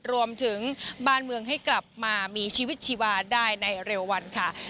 รวมถึงบ้านเมืองให้กลับมามีชีวิตชีวาได้ในเร็ววันค่ะ